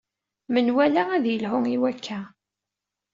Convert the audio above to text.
Menwala ad yelhu i wakka.